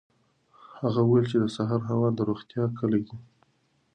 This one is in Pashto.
هغه وویل چې د سهار هوا د روغتیا کلي ده.